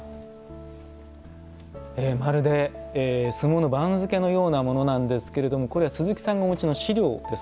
まるで相撲の番付のようなものなんですけれどもこれは鈴木さんがお持ちの資料です。